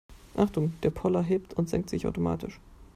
Achtung, der Poller hebt und senkt sich automatisch.